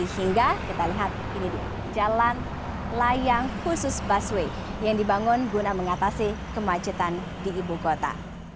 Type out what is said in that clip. hingga kita lihat ini dia jalan layang khusus busway yang dibangun guna mengatasi kemacetan di ibu kota